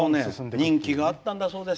人気があったんだそうです。